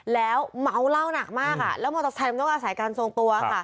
แล้วเหมาล่าหนักมากอะแล้วมอเตอร์ไซค์ก็อาศัยกันแสวงตัว